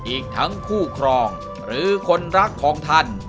อีกทั้งคู่ครองหรือคนรักของท่าน